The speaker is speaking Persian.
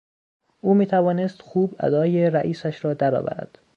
او میتوانست خوب ادای رئیسش را درآورد.